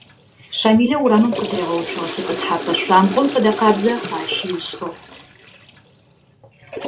Щамилэ урамым къытыригъэуцогъэ тетӀысхьапӀэ шъуамбгъом фэдэкъабзэ ащи ышӀыгъ.